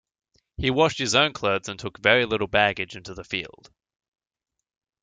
He washed his own clothes, and took very little baggage into the field.